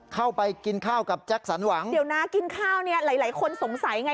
เข้าไปกินข้าวกับแจ็คสันหวังเดี๋ยวนะกินข้าวเนี่ยหลายหลายคนสงสัยไง